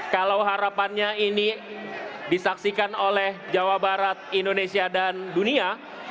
kalau harapannya ini disaksikan oleh jawa barat indonesia dan dunia